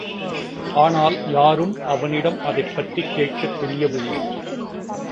ஆனால் யாரும் அவனிடம் அதைப்பற்றிக் கேட்கத் துணியவில்லை.